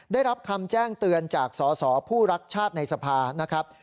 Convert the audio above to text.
ได้รับคำแจ้งเตือนจากสสผู้รักชาติในสภานะครับ